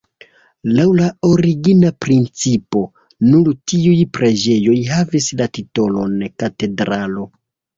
Laŭ la origina principo, nur tiuj preĝejoj havis la titolon katedralo.